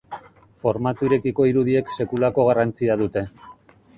Formatu irekiko irudiek sekulako garrantzia dute.